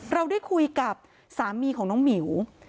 เราได้คุยกับสามีของน้องหมิว